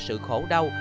sự khổ đau